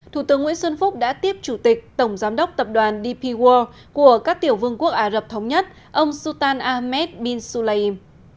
thủ tướng nguyễn xuân phúc đã tiếp chủ tịch tổng giám đốc tập đoàn dp world của các tiểu vương quốc ả rập thống nhất ông sultan ahmed bin sulaym